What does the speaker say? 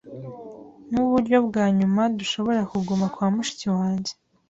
Nkuburyo bwa nyuma, dushobora kuguma kwa mushiki wanjye.